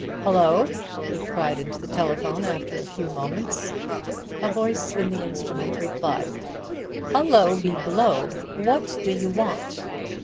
"Hullo!" he cried into the telephone after a few moments. A voice in the instrument replied: "Hullo be blowed! What do you want?"